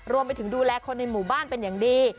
รวมไปถึงดูแลคนในหมู่บ้านเป็นอย่างดี